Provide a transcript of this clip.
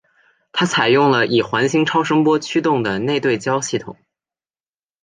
它采用了以环形超声波驱动的内对焦系统。